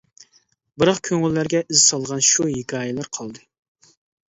بىراق كۆڭۈللەرگە ئىز سالغان شۇ ھېكايىلەر قالدى.